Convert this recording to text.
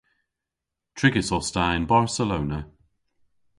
Trigys os ta yn Barcelona.